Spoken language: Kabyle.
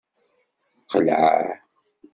Qelleɛ.